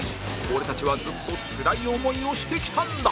俺たちはずっとつらい思いをしてきたんだ！